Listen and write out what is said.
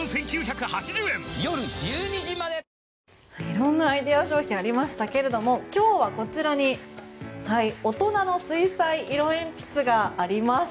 色んなアイデア商品がありましたけれども今日はこちらに大人の水彩色鉛筆があります。